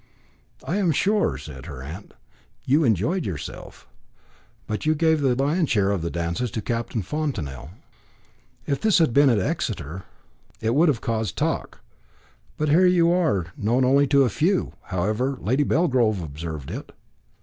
"I am sure," said her aunt, "you enjoyed yourself. But you gave the lion's share of the dances to Captain Fontanel. If this had been at Exeter, it would have caused talk; but here you are known only to a few; however, Lady Belgrove observed it."